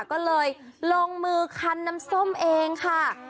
ก็เลยลงมือคันน้ำส้มเองค่ะ